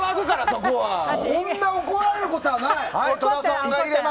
そんな怒ることはない。